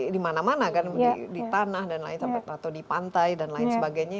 di mana mana kan di tanah dan lain atau di pantai dan lain sebagainya